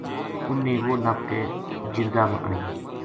انھ نے وہ نپ کے جرگا ما آنیو